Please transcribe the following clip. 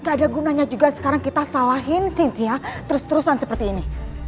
gak ada gunanya juga sekarang kita salahin sinch ya terus terusan seperti ini